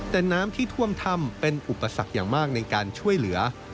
แต่น้ำที่ท่วมถ้ำเป็นอุปสรรคอย่างมากในการช่วยเหลือ